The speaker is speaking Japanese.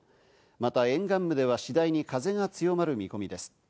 また沿岸部では次第に風が強まる見込みです。